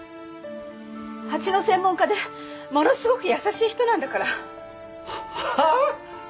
蜂の専門家でものすごく優しい人なんだから。はあ？